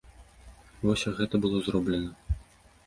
Вось як гэта было зроблена.